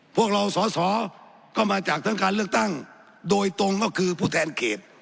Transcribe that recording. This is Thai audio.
พวกเราสอสอก็มาจากทั้งการเลือกตั้งโดยตรงก็คือผู้แทนเขต